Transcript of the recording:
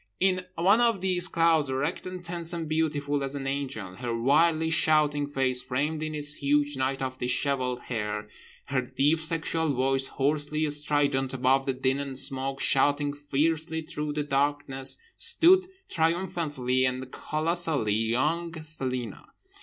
In one of these clouds, erect and tense and beautiful as an angel—her wildly shouting face framed in its huge night of dishevelled hair, her deep sexual voice, hoarsely strident above the din and smoke, shouting fiercely through the darkness—stood, triumphantly and colossally young, Celina.